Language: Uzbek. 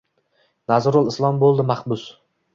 Nazrul Islom bo’ldi mahbus